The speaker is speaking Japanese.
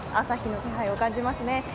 朝日の気配を感じますね。